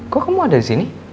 kok kamu ada disini